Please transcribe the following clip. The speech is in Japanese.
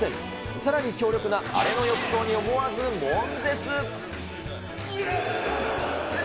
さらに強力なあれの浴槽に思わずもん絶。